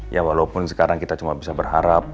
ya walaupun sekarang kita cuma bisa berharap